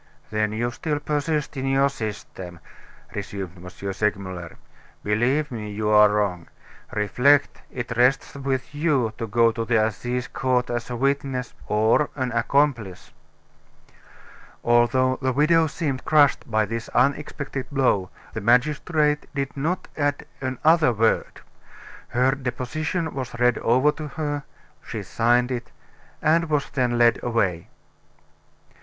"Then you still persist in your system," resumed M. Segmuller. "Believe me, you are wrong. Reflect it rests with you to go to the Assize Court as a witness, or an accomplice." Although the widow seemed crushed by this unexpected blow, the magistrate did not add another word. Her deposition was read over to her, she signed it, and was then led away. M.